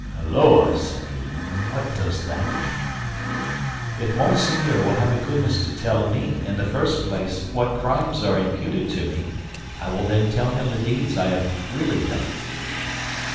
"Holloa!" said he, "what does that mean?" "If Monseigneur will have the goodness to tell me, in the first place, what crimes are imputed to me, I will then tell him the deeds I have really done."